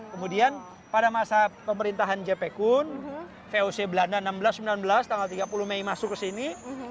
kemudian pada masa pemerintahan jp kuon voc belanda seribu enam ratus sembilan belas tanggal tiga puluh mei masuk ke sini